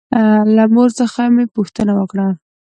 له مور څخه مې پوښتنه وکړه.